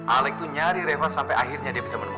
alec tuh nyari reva sampai akhirnya dia bisa menemukan reva